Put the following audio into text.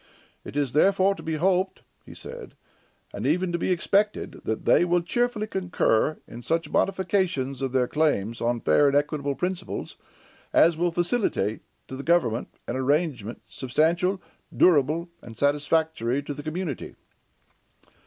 "It is therefore to be hoped," he said, "and even to be expected, that they will cheerfully concur in such modifications of their claims, on fair and equitable principles, as will facilitate to the government an arrangement substantial, durable, and satisfactory to the community."